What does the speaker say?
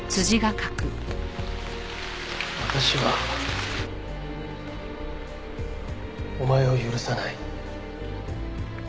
「私はお前を許さない」